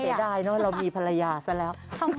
แม็ดเสร็จได้เรามีภรรยาซะแล้ว